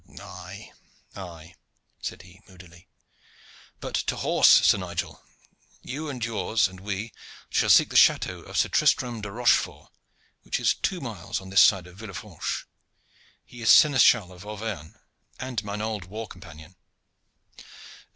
"Aye, aye," said he moodily. "But to horse, Sir Nigel, you and yours and we shall seek the chateau of Sir Tristram de Rochefort, which is two miles on this side of Villefranche. He is Seneschal of Auvergne, and mine old war companion."